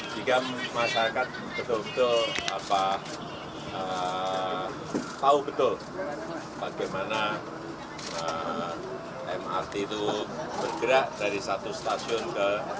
jika masyarakat betul betul tahu betul bagaimana mrt itu bergerak dari satu stasiun ke